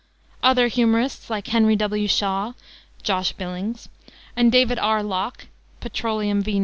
Other humorists, like Henry W. Shaw ("Josh Billings"), and David R. Locke, ("Petroleum V.